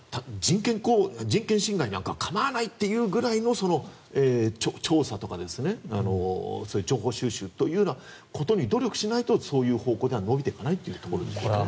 人権侵害なんか構わないっていうぐらいの調査とか情報収集ということに努力しないと、そういう方向は伸びていかないというところですね。